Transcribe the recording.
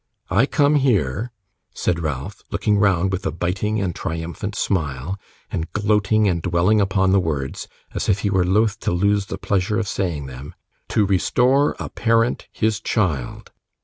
I come here,' said Ralph, looking round with a biting and triumphant smile, and gloating and dwelling upon the words as if he were loath to lose the pleasure of saying them, 'to restore a parent his child.